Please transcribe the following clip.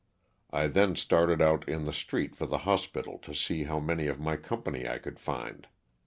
I then started out in the street for the hospital to see how many of my company I could find.